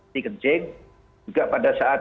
dikencing juga pada saat